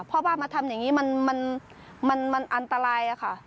พ่อบ้านมาทำอย่างนี้มันอันตรายค่ะ